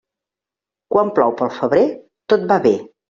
Quan plou pel febrer, tot va bé.